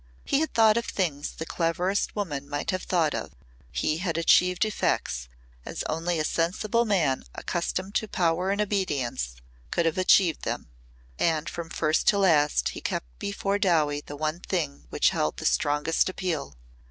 He had thought of things the cleverest woman might have thought of, he had achieved effects as only a sensible man accustomed to power and obedience could have achieved them. And from first to last he kept before Dowie the one thing which held the strongest appeal.